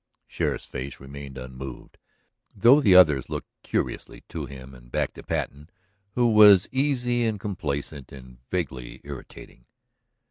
The sheriff's face remained unmoved, though the others looked curiously to him and back to Patten, who was easy and complacent and vaguely irritating.